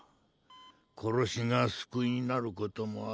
殺しが救いになる事もある。